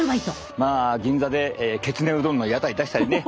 まあ銀座できつねうどんの屋台出したりね